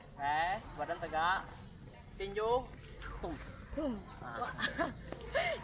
oke badan tegak tinjung tum